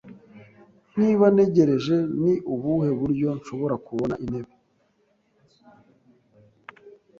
Niba ntegereje, ni ubuhe buryo nshobora kubona intebe?